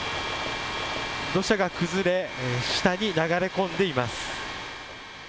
土砂が崩れ下に流れ込んでいます。